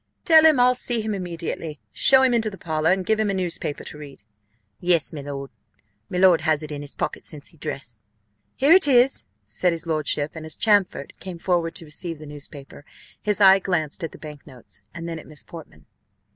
"Tell him I'll see him immediately show him into the parlour, and give him a newspaper to read." "Yes, milord milord has it in his pocket since he dress." "Here it is," said his lordship; and as Champfort came forward to receive the newspaper, his eye glanced at the bank notes, and then at Miss Portman.